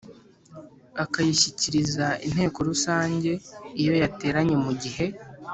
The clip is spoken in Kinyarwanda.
akayishyikiriza Inteko Rusange iyo yateranye mu gihe